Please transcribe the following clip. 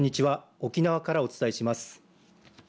沖縄からお伝えします。